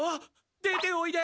出ておいで。